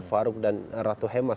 farouk dan ratu hemas